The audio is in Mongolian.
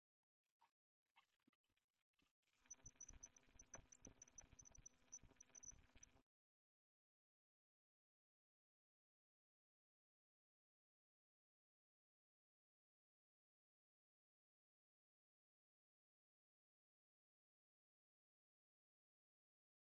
Гэтэл бидний урагш явах замыг хөндөлсөн хязгаарлах мэт их мөрөн цэлийн харагдав.